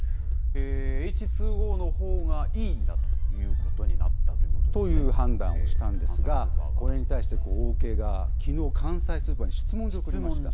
エイチ・ツー・オーのほうがいいんだということになったんでという判断をしたんですが、これに対してオーケー側は、きのう関西スーパーに質問状を送りました。